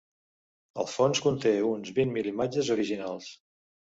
El fons conté uns vint mil imatges originals.